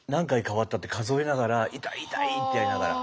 変わったって数えながら痛い痛いって言いながら。